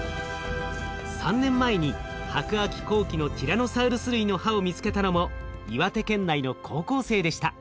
３年前に白亜紀後期のティラノサウルス類の歯を見つけたのも岩手県内の高校生でした。